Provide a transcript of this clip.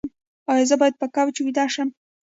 ایا زه باید په کوچ ویده شم؟